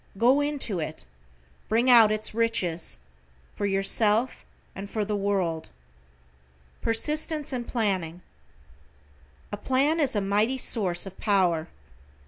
Go into it, bring out its riches, for yourself and for the world. =PERSISTENCE AND PLANNING=: A plan is a mighty source of power.